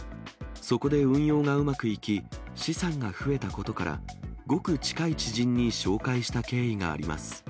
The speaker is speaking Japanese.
そこで運用がうまくいき、資産が増えたことから、ごく近い知人に紹介した経緯があります。